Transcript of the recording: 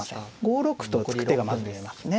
５六歩と突く手がまず見えますね。